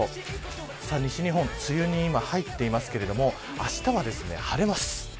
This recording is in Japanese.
西日本梅雨に今入っていますけれどあしたは晴れます。